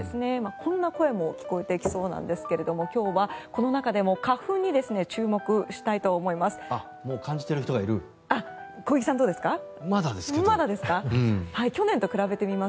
こんな声も聞こえてきそうなんですけど今日はこの中でも花粉に注目したいと思います。